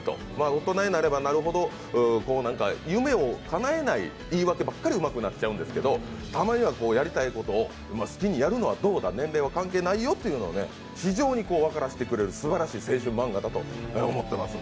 大人になればなるほど夢をかなえない言い訳ばっかりうまくなっちゃうんですけどたまにはやりたいことを好きにやるのはどうだ年齢は関係ないよということを非常に分からせてくれるすばらしい青春マンガだと思っています。